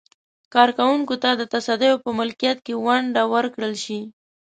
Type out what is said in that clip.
کارکوونکو ته د تصدیو په ملکیت کې ونډه ورکړل شي.